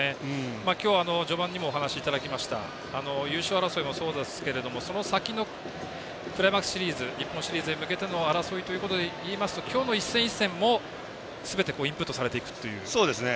今日は序盤にもお話いただきました優勝争いもそうですけれどもその先のクライマックスシリーズ日本シリーズへ向けての争いということでいいますと今日の一戦一戦も、すべてインプットされていくという。